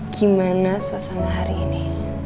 gimana suasana hari ini